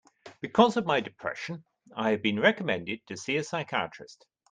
Because of my depression, I have been recommended to see a psychiatrist.